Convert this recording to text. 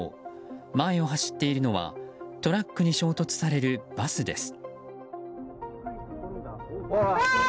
前を走っているのはトラックに衝突されるバスです。